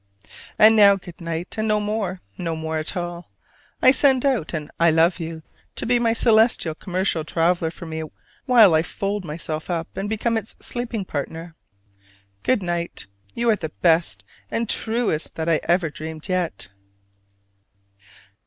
And now good night, and no more, no more at all! I send out an "I love you" to be my celestial commercial traveler for me while I fold myself up and become its sleeping partner. Good night: you are the best and truest that I ever dreamed yet.